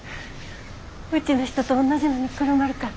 うちの人とおんなじのにくるまるから。